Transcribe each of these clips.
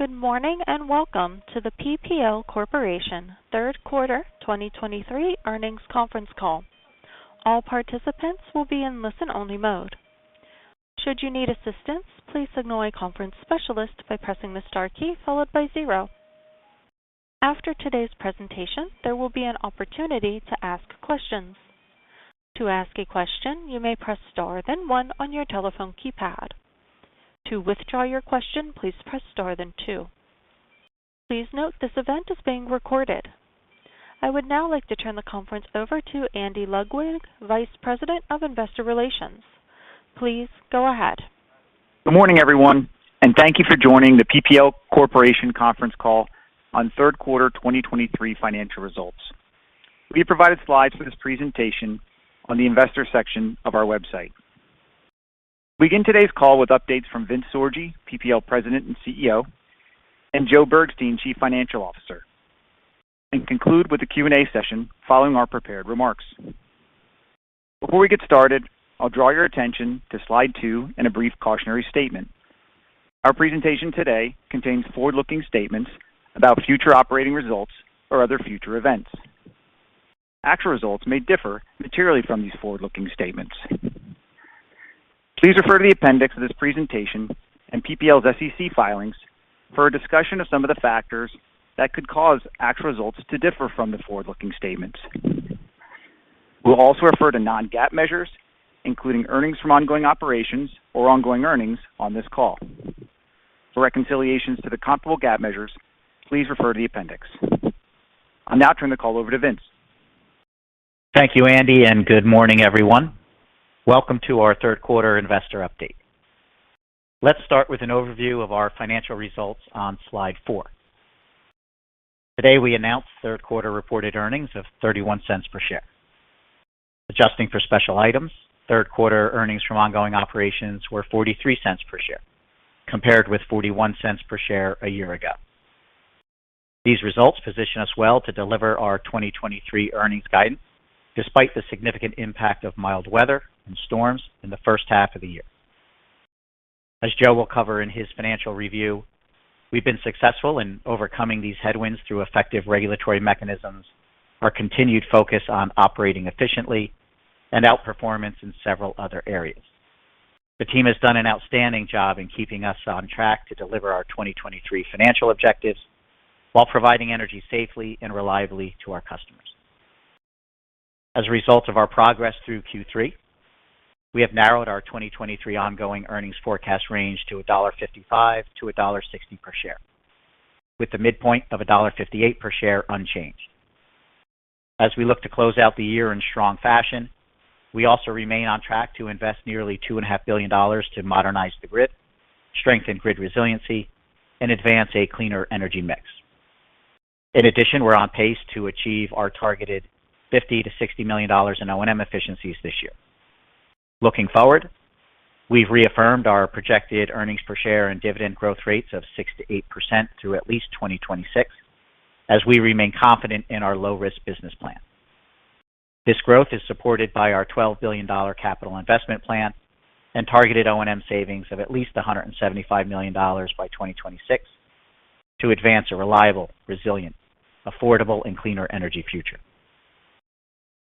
Good morning, and welcome to the PPL Corporation Third Quarter 2023 Earnings Conference Call. All participants will be in listen-only mode. Should you need assistance, please signal a conference specialist by pressing the star key followed by zero. After today's presentation, there will be an opportunity to ask questions. To ask a question, you may press star then one on your telephone keypad. To withdraw your question, please press star then two. Please note, this event is being recorded. I would now like to turn the conference over to Andy Ludwig, Vice President of Investor Relations. Please go ahead. Good morning, everyone, and thank you for joining the PPL Corporation Conference Call on third quarter 2023 Financial Results. We have provided slides for this presentation on the investor section of our website. We begin today's call with updates from Vince Sorgi, PPL President and CEO; and Joe Bergstein, Chief Financial Officer. And conclude with the Q&A session following our prepared remarks. Before we get started, I'll draw your attention to slide two and a brief cautionary statement. Our presentation today contains forward-looking statements about future operating results or other future events. Actual results may differ materially from these forward-looking statements. Please refer to the appendix of this presentation and PPL's SEC filings for a discussion of some of the factors that could cause actual results to differ from the forward-looking statements. We'll also refer to non-GAAP measures, including earnings from ongoing operations or ongoing earnings on this call. For reconciliations to the comparable GAAP measures, please refer to the appendix. I'll now turn the call over to Vince. Thank you, Andy, and good morning, everyone. Welcome to our third quarter investor update. Let's start with an overview of our financial results on slide four. Today, we announced third quarter reported earnings of $0.31 per share. Adjusting for special items, third quarter earnings from ongoing operations were $0.43 per share, compared with $0.41 per share a year ago. These results position us well to deliver our 2023 earnings guidance, despite the significant impact of mild weather and storms in the first half of the year. As Joe will cover in his financial review, we've been successful in overcoming these headwinds through effective regulatory mechanisms, our continued focus on operating efficiently, and outperformance in several other areas. The team has done an outstanding job in keeping us on track to deliver our 2023 financial objectives while providing energy safely and reliably to our customers. As a result of our progress through Q3, we have narrowed our 2023 ongoing earnings forecast range to $1.55-$1.60 per share, with the midpoint of $1.58 per share unchanged. As we look to close out the year in strong fashion, we also remain on track to invest nearly $2.5 billion to modernize the grid, strengthen grid resiliency, and advance a cleaner energy mix. In addition, we're on pace to achieve our targeted $50 million-$60 million in O&M efficiencies this year. Looking forward, we've reaffirmed our projected earnings per share and dividend growth rates of 6%-8% through at least 2026, as we remain confident in our low-risk business plan. This growth is supported by our $12 billion capital investment plan and targeted O&M savings of at least $175 million by 2026 to advance a reliable, resilient, affordable, and cleaner energy future.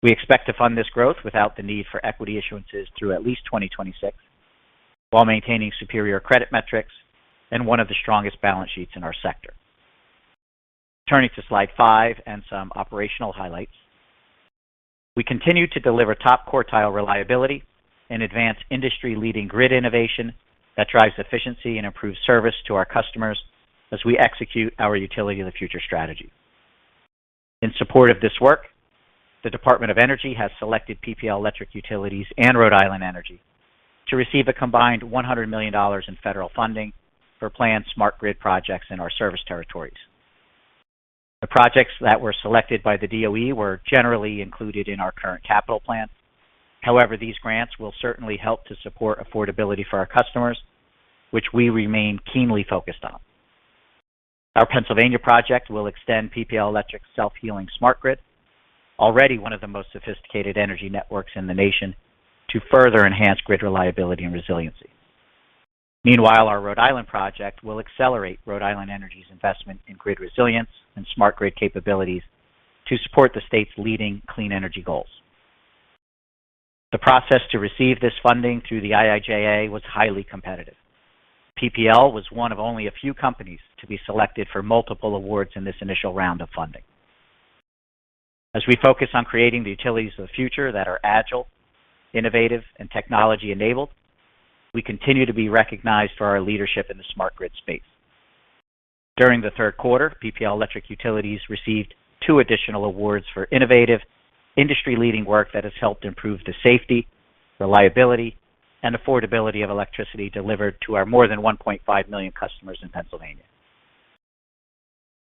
We expect to fund this growth without the need for equity issuances through at least 2026, while maintaining superior credit metrics and one of the strongest balance sheets in our sector. Turning to slide five and some operational highlights. We continue to deliver top-quartile reliability and advance industry-leading grid innovation that drives efficiency and improves service to our customers as we execute our Utility of the Future strategy. In support of this work, the Department of Energy has selected PPL Electric Utilities and Rhode Island Energy to receive a combined $100 million in federal funding for planned smart grid projects in our service territories. The projects that were selected by the DOE were generally included in our current capital plan. However, these grants will certainly help to support affordability for our customers, which we remain keenly focused on. Our Pennsylvania project will extend PPL Electric's self-healing smart grid, already one of the most sophisticated energy networks in the nation, to further enhance grid reliability and resiliency. Meanwhile, our Rhode Island project will accelerate Rhode Island Energy's investment in grid resilience and smart grid capabilities to support the state's leading clean energy goals. The process to receive this funding through the IIJA was highly competitive. PPL was one of only a few companies to be selected for multiple awards in this initial round of funding. As we focus on creating the utilities of the future that are agile, innovative, and technology-enabled, we continue to be recognized for our leadership in the smart grid space. During the third quarter, PPL Electric Utilities received two additional awards for innovative, industry-leading work that has helped improve the safety, reliability, and affordability of electricity delivered to our more than 1.5 million customers in Pennsylvania.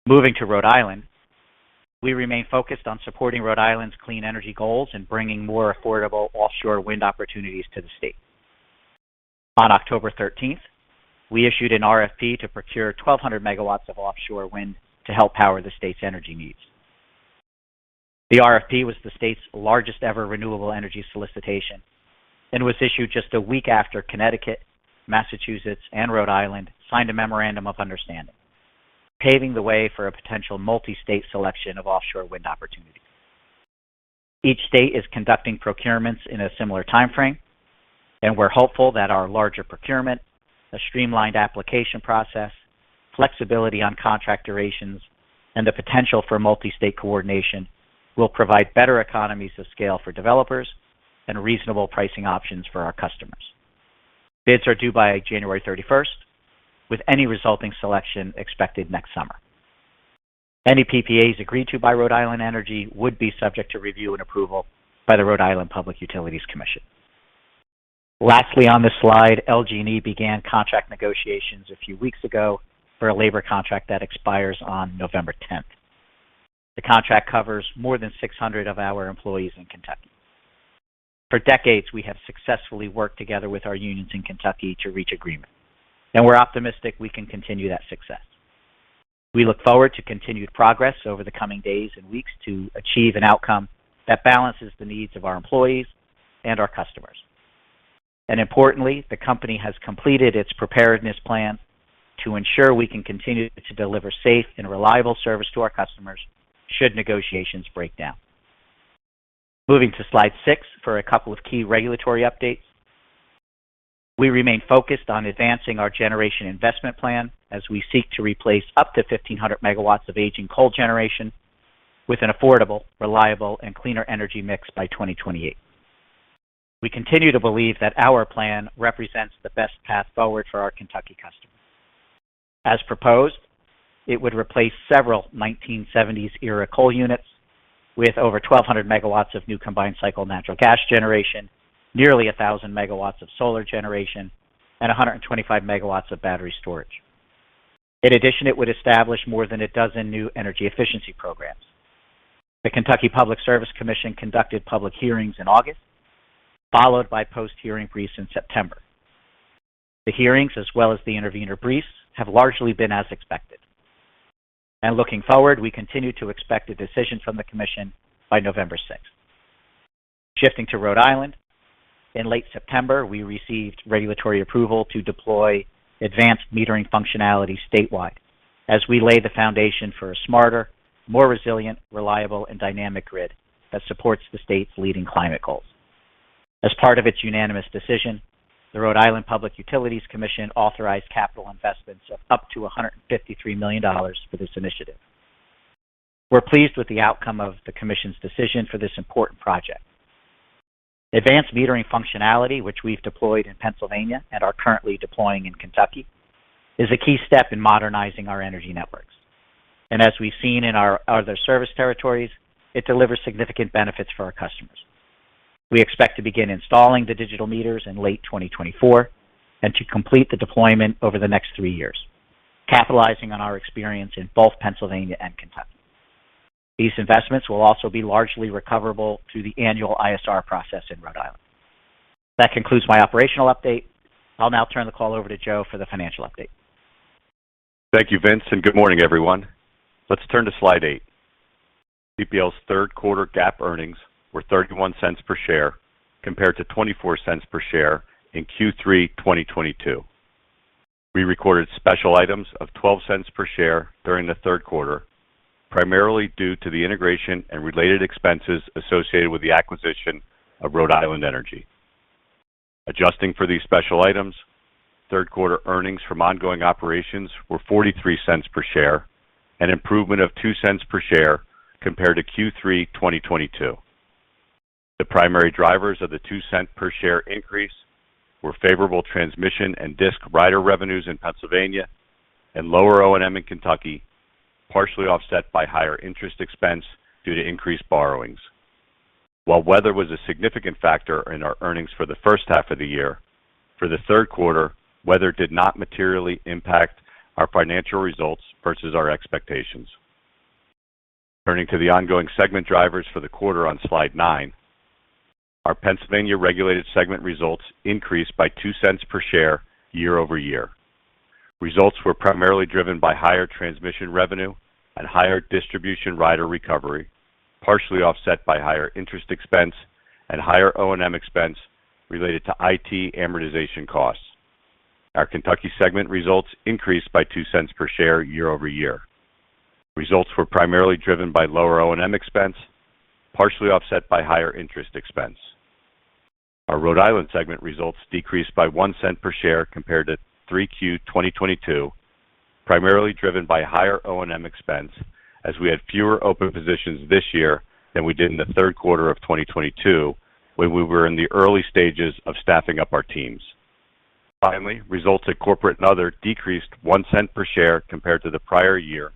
Moving to Rhode Island, we remain focused on supporting Rhode Island's clean energy goals and bringing more affordable offshore wind opportunities to the state. On October 13th, we issued an RFP to procure 1,200 MW of offshore wind to help power the state's energy needs. The RFP was the state's largest-ever renewable energy solicitation and was issued just a week after Connecticut, Massachusetts, and Rhode Island signed a memorandum of understanding, paving the way for a potential multi-state selection of offshore wind opportunities. Each state is conducting procurements in a similar timeframe, and we're hopeful that our larger procurement, a streamlined application process, flexibility on contract durations, and the potential for multi-state coordination will provide better economies of scale for developers and reasonable pricing options for our customers. Bids are due by January 31st, with any resulting selection expected next summer. Any PPAs agreed to by Rhode Island Energy would be subject to review and approval by the Rhode Island Public Utilities Commission. Lastly, on this slide, LG&E began contract negotiations a few weeks ago for a labor contract that expires on November 10th. The contract covers more than 600 of our employees in Kentucky. For decades, we have successfully worked together with our unions in Kentucky to reach agreement, and we're optimistic we can continue that success. We look forward to continued progress over the coming days and weeks to achieve an outcome that balances the needs of our employees and our customers. And importantly, the company has completed its preparedness plan to ensure we can continue to deliver safe and reliable service to our customers should negotiations break down. Moving to slide six for a couple of key regulatory updates. We remain focused on advancing our generation investment plan as we seek to replace up to 1,500 MW of aging coal generation with an affordable, reliable, and cleaner energy mix by 2028. We continue to believe that our plan represents the best path forward for our Kentucky customers. As proposed, it would replace several 1970s-era coal units with over 1,200 MW of new combined cycle natural gas generation, nearly 1,000 MW of solar generation, and 125 MW of battery storage. In addition, it would establish more than a dozen new energy efficiency programs. The Kentucky Public Service Commission conducted public hearings in August, followed by post-hearing briefs in September. The hearings, as well as the intervener briefs, have largely been as expected. Looking forward, we continue to expect a decision from the Commission by November 6th. Shifting to Rhode Island, in late September, we received regulatory approval to deploy advanced metering functionality statewide as we lay the foundation for a smarter, more resilient, reliable, and dynamic grid that supports the state's leading climate goals. As part of its unanimous decision, the Rhode Island Public Utilities Commission authorized capital investments of up to $153 million for this initiative. We're pleased with the outcome of the Commission's decision for this important project. Advanced metering functionality, which we've deployed in Pennsylvania and are currently deploying in Kentucky, is a key step in modernizing our energy networks. And as we've seen in our other service territories, it delivers significant benefits for our customers. We expect to begin installing the digital meters in late 2024 and to complete the deployment over the next three years, capitalizing on our experience in both Pennsylvania and Kentucky. These investments will also be largely recoverable through the annual ISR process in Rhode Island. That concludes my operational update. I'll now turn the call over to Joe for the financial update. Thank you, Vince, and good morning, everyone. Let's turn to slide eight. PPL's third quarter GAAP earnings were $0.31 per share, compared to $0.24 per share in Q3 2022. We recorded special items of $0.12 per share during the third quarter, primarily due to the integration and related expenses associated with the acquisition of Rhode Island Energy. Adjusting for these special items, third quarter earnings from ongoing operations were $0.43 per share, an improvement of $0.02 per share compared to Q3 2022. The primary drivers of the $0.02 per share increase were favorable transmission and DSIC rider revenues in Pennsylvania and lower O&M in Kentucky, partially offset by higher interest expense due to increased borrowings. While weather was a significant factor in our earnings for the first half of the year, for the third quarter, weather did not materially impact our financial results versus our expectations. Turning to the ongoing segment drivers for the quarter on slide nine, our Pennsylvania regulated segment results increased by $0.02 per share year-over-year. Results were primarily driven by higher transmission revenue and higher distribution rider recovery, partially offset by higher interest expense and higher O&M expense related to IT amortization costs. Our Kentucky segment results increased by $0.02 per share year-over-year. Results were primarily driven by lower O&M expense, partially offset by higher interest expense. Our Rhode Island segment results decreased by $0.01 per share compared to 3Q 2022, primarily driven by higher O&M expense, as we had fewer open positions this year than we did in the third quarter of 2022, when we were in the early stages of staffing up our teams. Finally, results at Corporate and Other decreased $0.01 per share compared to the prior year,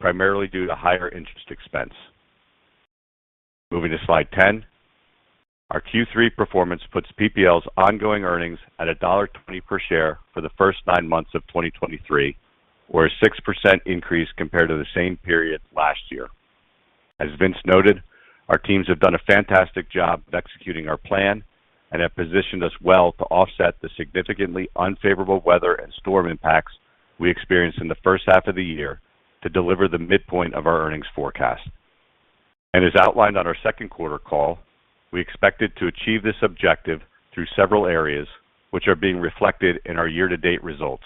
primarily due to higher interest expense. Moving to slide 10, our Q3 performance puts PPL's ongoing earnings at $1.20 per share for the first nine months of 2023, or a 6% increase compared to the same period last year. As Vince noted, our teams have done a fantastic job of executing our plan and have positioned us well to offset the significantly unfavorable weather and storm impacts-... We experienced in the first half of the year to deliver the midpoint of our earnings forecast. As outlined on our second quarter call, we expected to achieve this objective through several areas which are being reflected in our year-to-date results.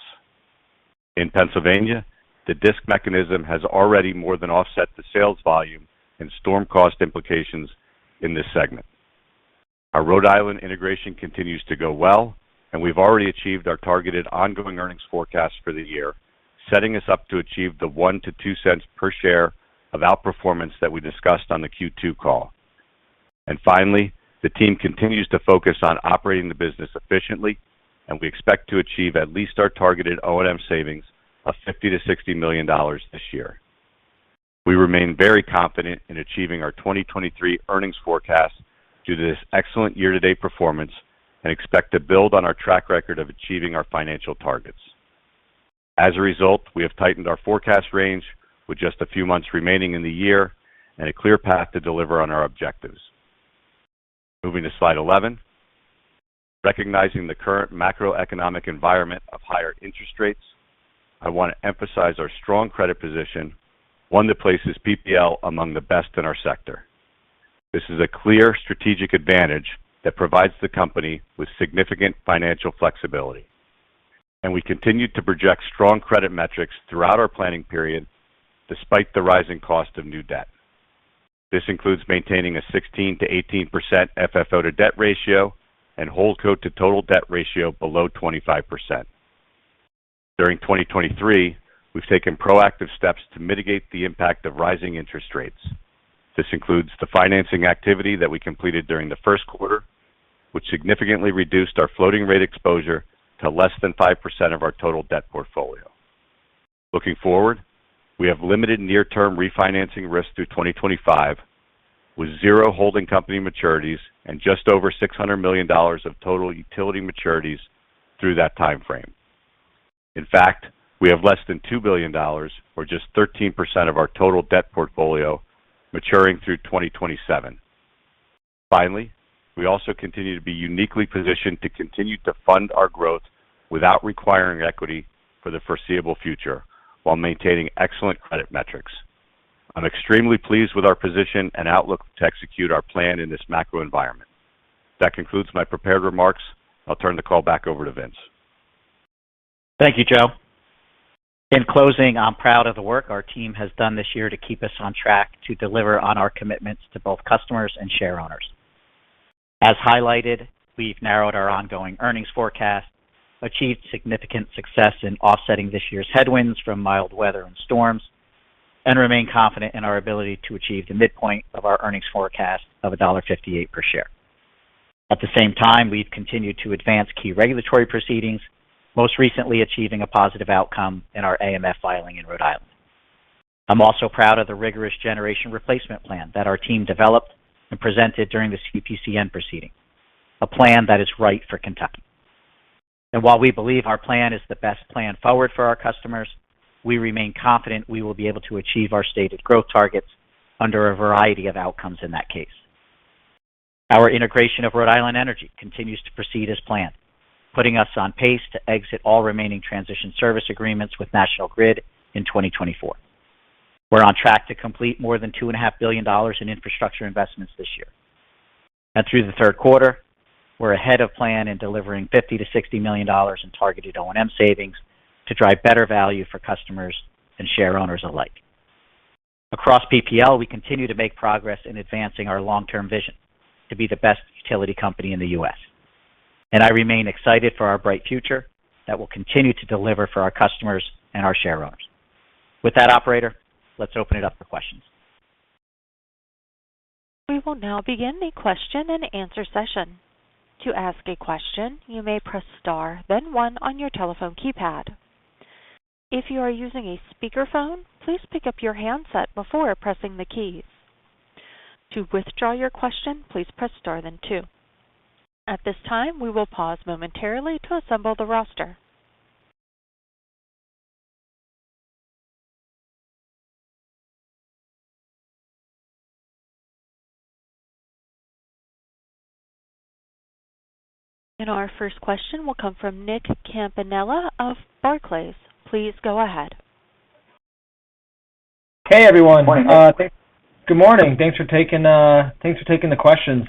In Pennsylvania, the DSIC mechanism has already more than offset the sales volume and storm cost implications in this segment. Our Rhode Island integration continues to go well, and we've already achieved our targeted ongoing earnings forecast for the year, setting us up to achieve the $0.01-$0.02 per share of outperformance that we discussed on the Q2 call. Finally, the team continues to focus on operating the business efficiently, and we expect to achieve at least our targeted O&M savings of $50 million-$60 million this year. We remain very confident in achieving our 2023 earnings forecast due to this excellent year-to-date performance and expect to build on our track record of achieving our financial targets. As a result, we have tightened our forecast range with just a few months remaining in the year and a clear path to deliver on our objectives. Moving to slide 11. Recognizing the current macroeconomic environment of higher interest rates, I want to emphasize our strong credit position, one that places PPL among the best in our sector. This is a clear strategic advantage that provides the company with significant financial flexibility, and we continue to project strong credit metrics throughout our planning period despite the rising cost of new debt. This includes maintaining a 16%-18% FFO to debt ratio and holdco to total debt ratio below 25%. During 2023, we've taken proactive steps to mitigate the impact of rising interest rates. This includes the financing activity that we completed during the first quarter, which significantly reduced our floating rate exposure to less than 5% of our total debt portfolio. Looking forward, we have limited near-term refinancing risk through 2025, with zero holding company maturities and just over $600 million of total utility maturities through that time frame. In fact, we have less than $2 billion, or just 13% of our total debt portfolio, maturing through 2027. Finally, we also continue to be uniquely positioned to continue to fund our growth without requiring equity for the foreseeable future, while maintaining excellent credit metrics. I'm extremely pleased with our position and outlook to execute our plan in this macro environment. That concludes my prepared remarks. I'll turn the call back over to Vince. Thank you, Joe. In closing, I'm proud of the work our team has done this year to keep us on track to deliver on our commitments to both customers and shareowners. As highlighted, we've narrowed our ongoing earnings forecast, achieved significant success in offsetting this year's headwinds from mild weather and storms, and remain confident in our ability to achieve the midpoint of our earnings forecast of $1.58 per share. At the same time, we've continued to advance key regulatory proceedings, most recently achieving a positive outcome in our AMF filing in Rhode Island. I'm also proud of the rigorous generation replacement plan that our team developed and presented during the CPCN proceeding, a plan that is right for Kentucky. And while we believe our plan is the best plan forward for our customers, we remain confident we will be able to achieve our stated growth targets under a variety of outcomes in that case. Our integration of Rhode Island Energy continues to proceed as planned, putting us on pace to exit all remaining transition service agreements with National Grid in 2024. We're on track to complete more than $2.5 billion in infrastructure investments this year. Through the third quarter, we're ahead of plan in delivering $50 million-$60 million in targeted O&M savings to drive better value for customers and shareowners alike. Across PPL, we continue to make progress in advancing our long-term vision to be the best utility company in the U.S. I remain excited for our bright future that will continue to deliver for our customers and our shareowners. With that, operator, let's open it up for questions. We will now begin the question-and-answer session. To ask a question, you may press star, then one on your telephone keypad. If you are using a speakerphone, please pick up your handset before pressing the keys. To withdraw your question, please press star then two. At this time, we will pause momentarily to assemble the roster. Our first question will come from Nick Campanella of Barclays. Please go ahead. Hey, everyone. Good morning. Good morning. Thanks for taking the questions.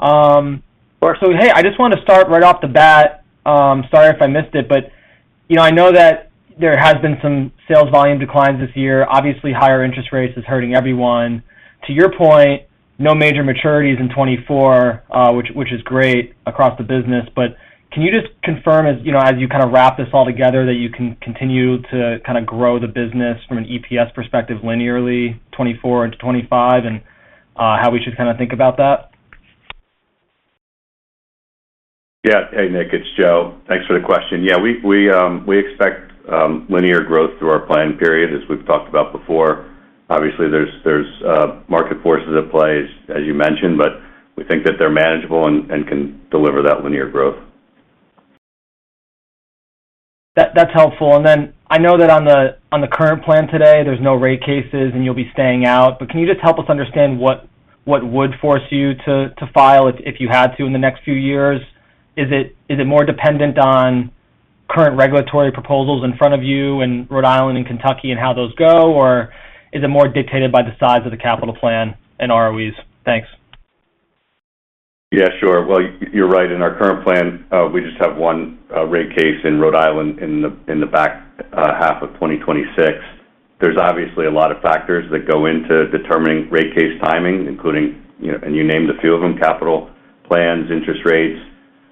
So hey, I just want to start right off the bat. Sorry if I missed it, but you know, I know that there has been some sales volume declines this year. Obviously, higher interest rates is hurting everyone. To your point, no major maturities in 2024, which is great across the business. But can you just confirm as, you know, as you kind of wrap this all together, that you can continue to kind of grow the business from an EPS perspective linearly, 2024 into 2025, and how we should kind of think about that? Yeah. Hey, Nick, it's Joe. Thanks for the question. Yeah, we expect linear growth through our plan period, as we've talked about before. Obviously, there's market forces at play, as you mentioned, but we think that they're manageable and can deliver that linear growth. That's helpful. And then I know that on the current plan today, there's no rate cases and you'll be staying out, but can you just help us understand what would force you to file if you had to in the next few years? Is it more dependent on current regulatory proposals in front of you in Rhode Island and Kentucky and how those go? Or is it more dictated by the size of the capital plan and ROEs? Thanks. Yeah, sure. Well, you're right. In our current plan, we just have one rate case in Rhode Island in the back half of 2026. There's obviously a lot of factors that go into determining rate case timing, including, you know, and you named a few of them, capital plans, interest rates,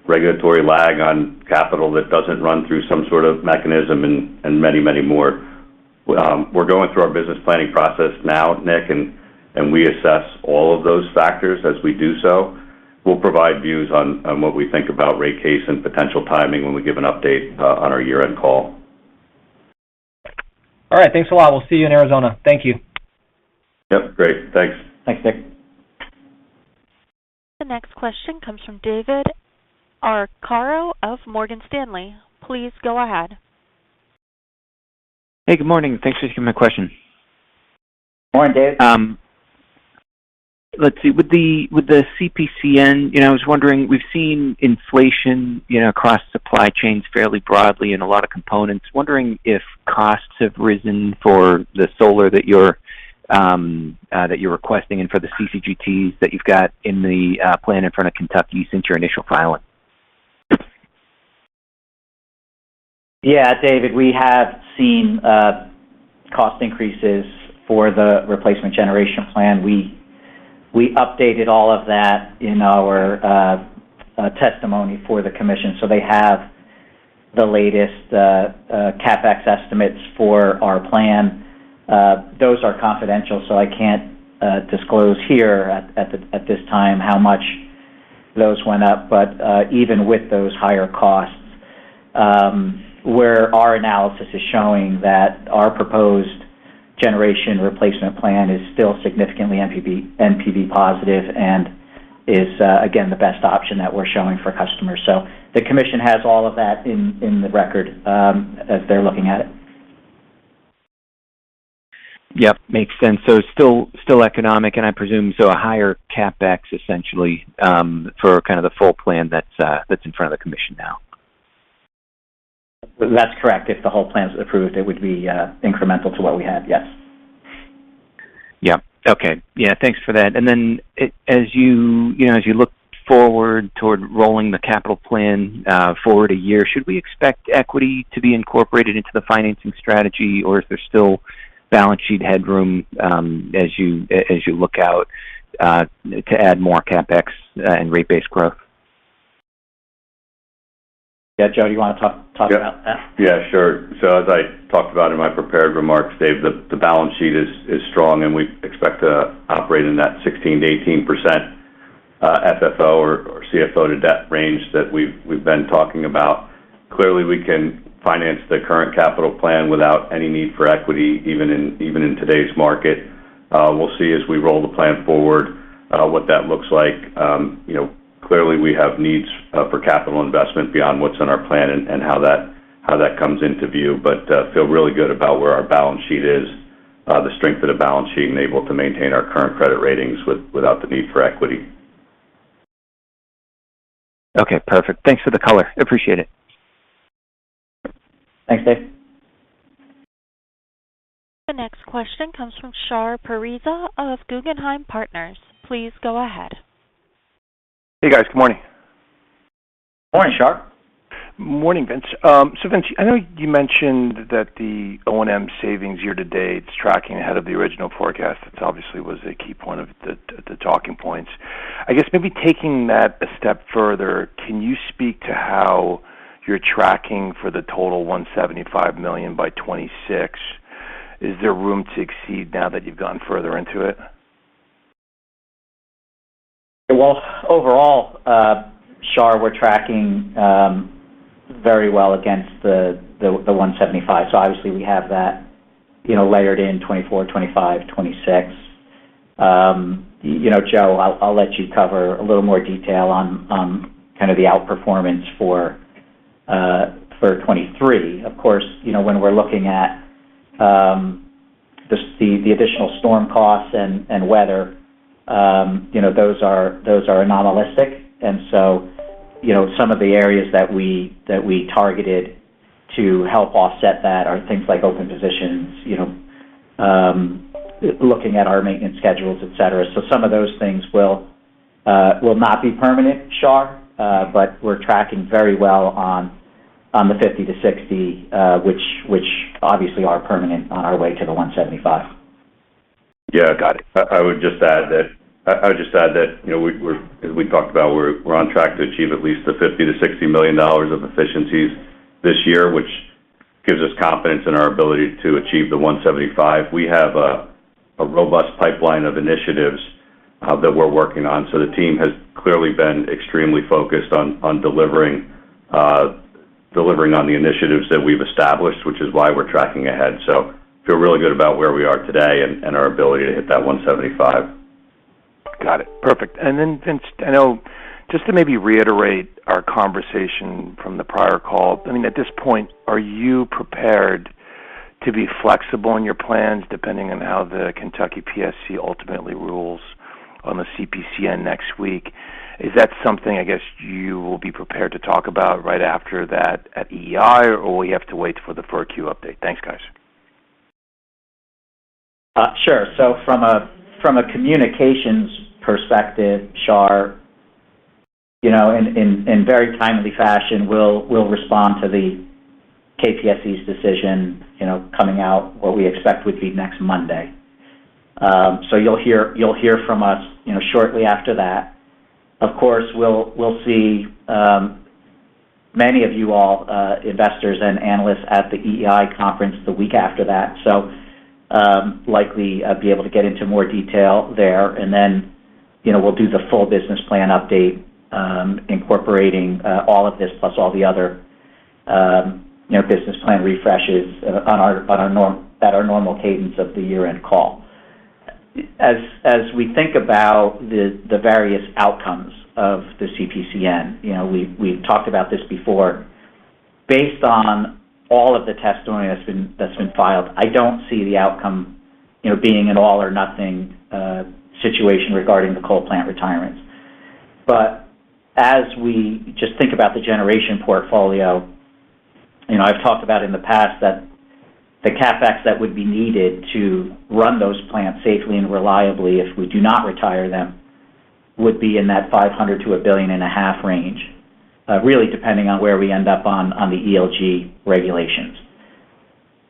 regulatory lag on capital that doesn't run through some sort of mechanism, and many, many more. We're going through our business planning process now, Nick, and we assess all of those factors as we do so. We'll provide views on what we think about rate case and potential timing when we give an update on our year-end call. All right, thanks a lot. We'll see you in Arizona. Thank you. Yep, great. Thanks. Thanks, Nick. The next question comes from David Arcaro of Morgan Stanley. Please go ahead. Hey, good morning. Thanks for taking my question. Good morning, Dave. Let's see, with the CPCN, you know, I was wondering. We've seen inflation, you know, across supply chains fairly broadly in a lot of components. Wondering if costs have risen for the solar that you're requesting and for the CCGTs that you've got in the plan in front of Kentucky since your initial filing? Yeah, David, we have seen cost increases for the replacement generation plan. We updated all of that in our testimony for the commission. So they have the latest CapEx estimates for our plan. Those are confidential, so I can't disclose here at this time how much those went up. But even with those higher costs, our analysis is showing that our proposed generation replacement plan is still significantly NPV positive and is again the best option that we're showing for customers. So the commission has all of that in the record as they're looking at it. Yep, makes sense. So still economic, and I presume, so a higher CapEx, essentially, for kind of the full plan that's in front of the commission now. That's correct. If the whole plan is approved, it would be incremental to what we had. Yes. Yep. Okay. Yeah, thanks for that. And then as you, you know, as you look forward toward rolling the capital plan forward a year, should we expect equity to be incorporated into the financing strategy? Or is there still balance sheet headroom as you, as you look out to add more CapEx and rate base growth? Yeah, Joe, do you want to talk about that? Yep. Yeah, sure. So as I talked about in my prepared remarks, Dave, the balance sheet is strong, and we expect to operate in that 16%-18% FFO or CFO to debt range that we've been talking about. Clearly, we can finance the current capital plan without any need for equity, even in today's market. We'll see as we roll the plan forward, what that looks like. You know, clearly, we have needs for capital investment beyond what's in our plan and how that comes into view, but feel really good about where our balance sheet is, the strength of the balance sheet, and able to maintain our current credit ratings without the need for equity. Okay, perfect. Thanks for the color. Appreciate it. Thanks, Dave. The next question comes from Shar Pourreza of Guggenheim Partners. Please go ahead. Hey, guys. Good morning. Morning, Char. Morning, Vince. So Vince, I know you mentioned that the O&M savings year to date is tracking ahead of the original forecast. That obviously was a key point of the talking points. I guess maybe taking that a step further, can you speak to how you're tracking for the total $175 million by 2026? Is there room to exceed now that you've gone further into it? Well, overall, Char, we're tracking very well against the $1.75. So obviously, we have that, you know, layered in 2024, 2025, 2026. You know, Joe, I'll let you cover a little more detail on kind of the outperformance for 2023. Of course, you know, when we're looking at the additional storm costs and weather, you know, those are anomalous. And so, you know, some of the areas that we targeted to help offset that are things like open positions, you know, looking at our maintenance schedules, et cetera. So some of those things will not be permanent, Shar, but we're tracking very well on the $0.50-$0.60, which obviously are permanent on our way to the $1.75. Yeah, got it. I would just add that, you know, we're as we talked about, we're on track to achieve at least the $50 million-$60 million of efficiencies this year, which gives us confidence in our ability to achieve the $1.75. We have a robust pipeline of initiatives that we're working on. So the team has clearly been extremely focused on delivering on the initiatives that we've established, which is why we're tracking ahead. So feel really good about where we are today and our ability to hit that $1.75. Got it. Perfect. And then, Vince, I know, just to maybe reiterate our conversation from the prior call, I mean, at this point, are you prepared to be flexible in your plans, depending on how the Kentucky PSC ultimately rules on the CPCN next week? Is that something, I guess, you will be prepared to talk about right after that at EEI, or we have to wait for the 4Q update? Thanks, guys. Sure. So from a communications perspective, Char, you know, in very timely fashion, we'll respond to the KPSC's decision, you know, coming out, what we expect would be next Monday. So you'll hear from us, you know, shortly after that. Of course, we'll see many of you all investors and analysts at the EEI conference the week after that. So likely, I'll be able to get into more detail there, and then, you know, we'll do the full business plan update, incorporating all of this, plus all the other, you know, business plan refreshes on our normal cadence of the year-end call. As we think about the various outcomes of the CPCN, you know, we've talked about this before. Based on all of the testimony that's been, that's been filed, I don't see the outcome, you know, being an all-or-nothing situation regarding the coal plant retirements. But as we just think about the generation portfolio, you know, I've talked about in the past that the CapEx that would be needed to run those plants safely and reliably, if we do not retire them, would be in that $500 million-$1.5 billion range, really depending on where we end up on, on the ELG regulations.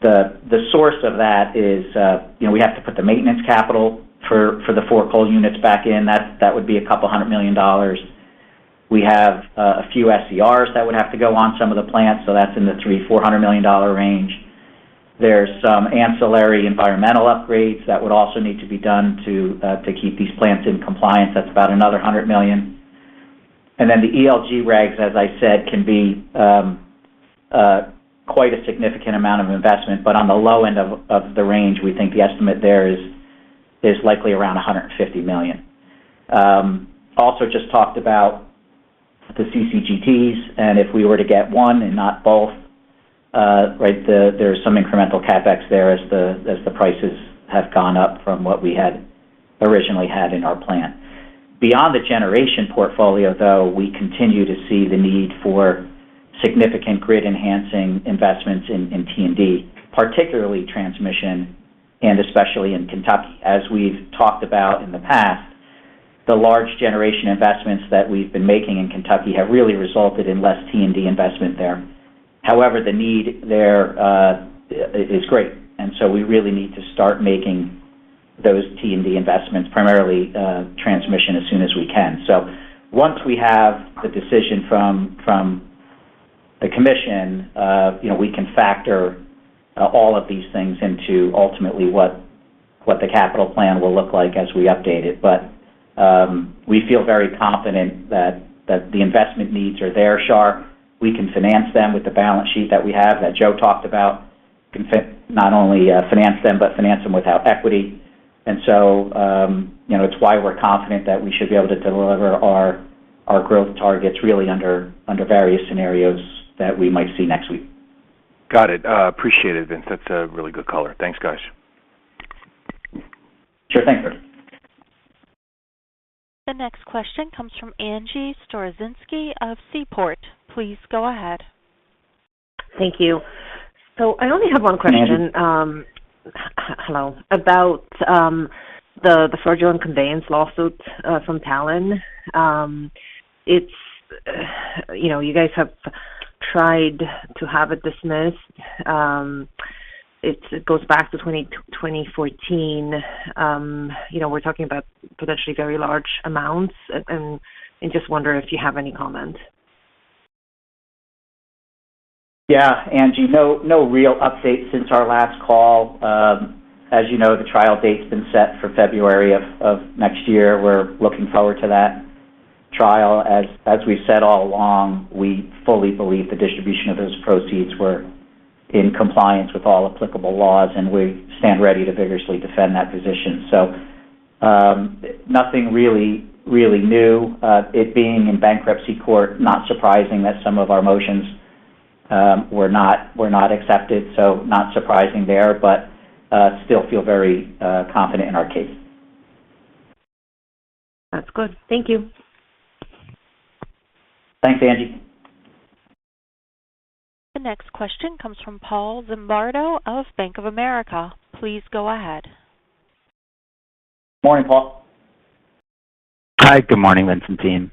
The, the source of that is, you know, we have to put the maintenance capital for, for the four coal units back in. That, that would be a couple hundred million dollars. We have a, a few SCRs that would have to go on some of the plants, so that's in the $300 million-$400 million range. There's some ancillary environmental upgrades that would also need to be done to keep these plants in compliance. That's about another $100 million. And then the ELG regs, as I said, can be quite a significant amount of investment, but on the low end of the range, we think the estimate there is likely around $150 million. Also just talked about the CCGTs, and if we were to get one and not both, right, there's some incremental CapEx there as the prices have gone up from what we had originally had in our plan. Beyond the generation portfolio, though, we continue to see the need for significant grid-enhancing investments in T&D, particularly transmission, and especially in Kentucky. As we've talked about in the past, the large generation investments that we've been making in Kentucky have really resulted in less T&D investment there. However, the need there is great, and so we really need to start making those T&D investments, primarily transmission, as soon as we can. So once we have the decision from the commission, you know, we can factor all of these things into ultimately what the capital plan will look like as we update it. But we feel very confident that the investment needs are there, Char. We can finance them with the balance sheet that we have, that Joe talked about. We can not only finance them, but finance them without equity. And so, you know, it's why we're confident that we should be able to deliver our growth targets really under various scenarios that we might see next week. Got it. Appreciate it, Vince. That's a really good color. Thanks, guys. Sure. Thanks, sir. The next question comes from Angie Storozynski of Seaport. Please go ahead. Thank you. So I only have one question, hello, about the fraudulent conveyance lawsuits from Talen. It's, you know, you guys have tried to have it dismissed. It goes back to 2014. You know, we're talking about potentially very large amounts and just wondering if you have any comment. Yeah, Angie, no, no real update since our last call. As you know, the trial date's been set for February of next year. We're looking forward to that trial. As we've said all along, we fully believe the distribution of those proceeds were in compliance with all applicable laws, and we stand ready to vigorously defend that position. So, nothing really new. It being in bankruptcy court, not surprising that some of our motions were not accepted, so not surprising there, but still feel very confident in our case. That's good. Thank you. Thanks, Angie. The next question comes from Paul Zimbardo of Bank of America. Please go ahead. Morning, Paul. Hi, good morning, Vince and team.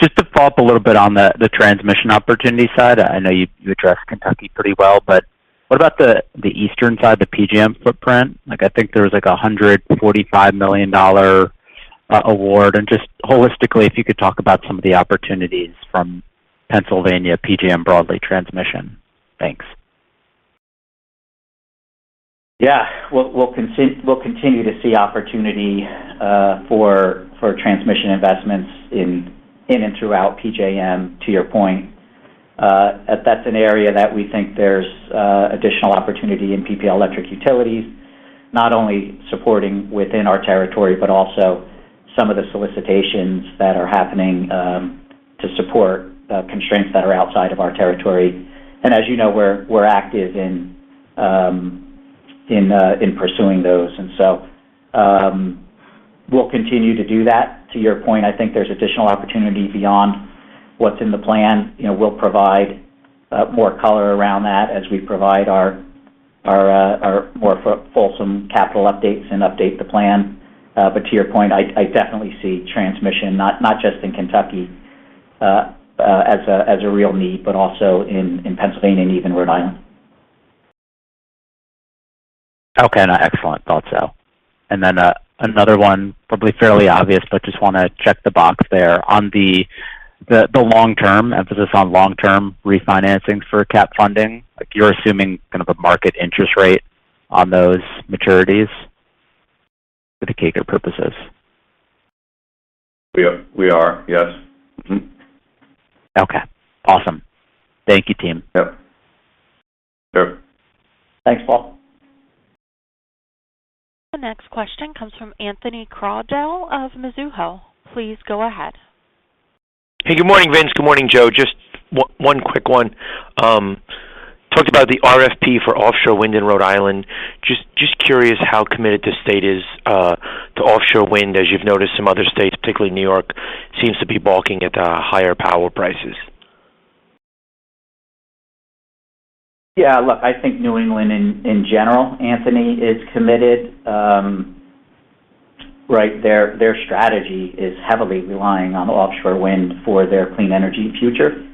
Just to follow up a little bit on the, the transmission opportunity side, I know you, you addressed Kentucky pretty well, but what about the, the eastern side, the PJM footprint? Like, I think there was, like, a $145 million award, and just holistically, if you could talk about some of the opportunities from Pennsylvania, PJM, broadly, transmission. Thanks. Yeah. We'll continue to see opportunity for transmission investments in and throughout PJM, to your point. That's an area that we think there's additional opportunity in PPL Electric Utilities, not only supporting within our territory, but also some of the solicitations that are happening to support constraints that are outside of our territory. And as you know, we're active in pursuing those. And so, we'll continue to do that. To your point, I think there's additional opportunity beyond what's in the plan. You know, we'll provide more color around that as we provide our more fulsome capital updates and update the plan. To your point, I definitely see transmission not just in Kentucky as a real need, but also in Pennsylvania and even Rhode Island. Okay, now excellent. Thought so. And then, another one, probably fairly obvious, but just want to check the box there. On the long term, emphasis on long-term refinancing for cap funding, like, you're assuming kind of a market interest rate on those maturities for the CAGR purposes? Yes. Mm-hmm. Okay, awesome. Thank you, team. Yep. Sure. Thanks, Paul. The next question comes from Anthony Crowdell of Mizuho. Please go ahead. Hey, good morning, Vince. Good morning, Joe. Just one, one quick one. Talked about the RFP for offshore wind in Rhode Island. Just, just curious how committed the state is to offshore wind, as you've noticed some other states, particularly New York, seems to be balking at the higher power prices. Yeah, look, I think New England in general, Anthony, is committed. Right? Their strategy is heavily relying on offshore wind for their clean energy future.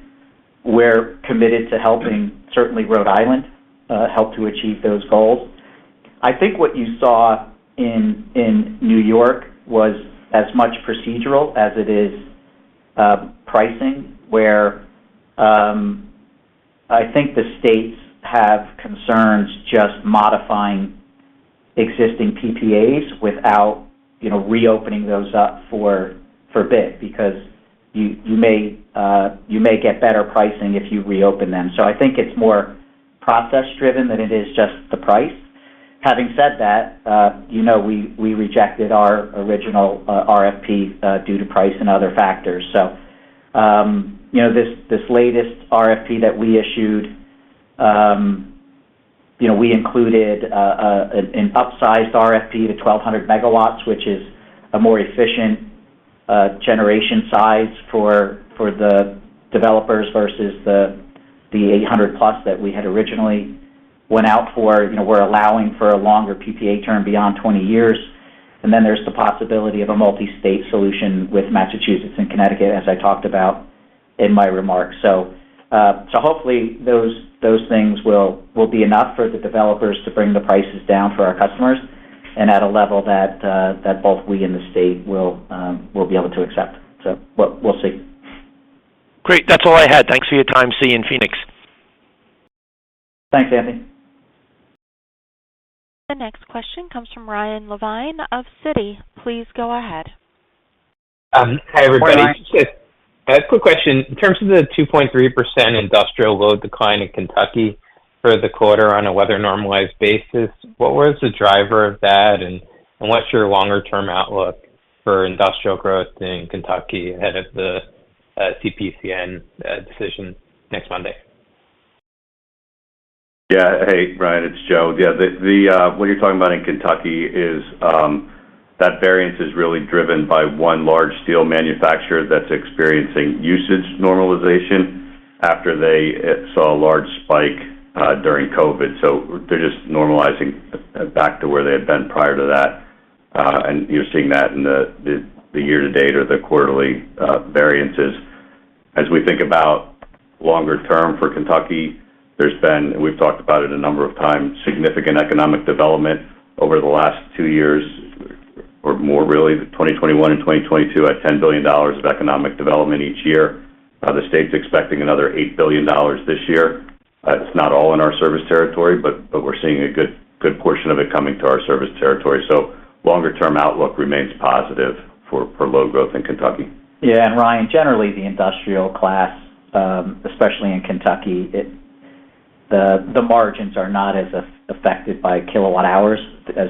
We're committed to helping, certainly Rhode Island, help to achieve those goals. I think what you saw in New York was as much procedural as it is pricing, where I think the states have concerns just modifying existing PPAs without, you know, reopening those up for bid, because you may get better pricing if you reopen them. So I think it's more process-driven than it is just the price. Having said that, you know, we rejected our original RFP due to price and other factors. So, you know, this latest RFP that we issued, you know, we included an upsized RFP to 1,200 MW, which is a more efficient generation size for the developers versus the eight hundred plus that we had originally went out for. You know, we're allowing for a longer PPA term beyond 20 years, and then there's the possibility of a multi-state solution with Massachusetts and Connecticut, as I talked about in my remarks. So, so hopefully those things will be enough for the developers to bring the prices down for our customers and at a level that both we and the state will be able to accept. So we'll see. Great. That's all I had. Thanks for your time. See you in Phoenix. Thanks, Anthony. The next question comes from Ryan Levine of Citi. Please go ahead. Hi, everybody. Good morning. Just a quick question. In terms of the 2.3% industrial load decline in Kentucky for the quarter on a weather normalized basis, what was the driver of that, and, and what's your longer-term outlook for industrial growth in Kentucky ahead of the CPCN decision next Monday? Yeah. Hey, Ryan, it's Joe. Yeah, what you're talking about in Kentucky is that variance is really driven by one large steel manufacturer that's experiencing usage normalization after they saw a large spike during COVID. So they're just normalizing back to where they had been prior to that. And you're seeing that in the year to date or the quarterly variances. As we think about longer term for Kentucky, there's been, we've talked about it a number of times, significant economic development over the last two years, or more really, 2021 and 2022, at $10 billion of economic development each year. The state's expecting another $8 billion this year. It's not all in our service territory, but we're seeing a good portion of it coming to our service territory. Longer-term outlook remains positive for low growth in Kentucky. Yeah, and Ryan, generally, the industrial class, especially in Kentucky, the margins are not as affected by kilowatt hours as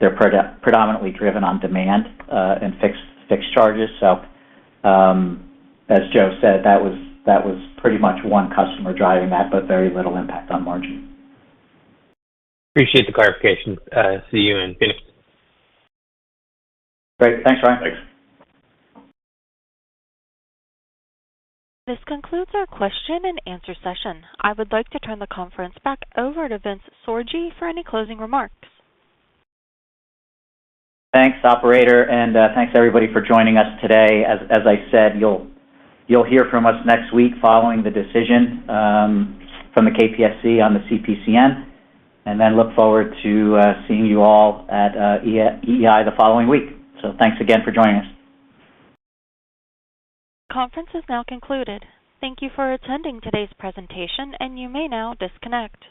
they're predominantly driven on demand, and fixed charges. So, as Joe said, that was pretty much one customer driving that, but very little impact on margin. Appreciate the clarification. See you in Phoenix. Great. Thanks, Ryan. Thanks. This concludes our question and answer session. I would like to turn the conference back over to Vincent Sorgi for any closing remarks. Thanks, operator, and thanks, everybody for joining us today. As I said, you'll hear from us next week following the decision from the KPSC on the CPCN, and then look forward to seeing you all at EEI the following week. So thanks again for joining us. Conference is now concluded. Thank you for attending today's presentation, and you may now disconnect.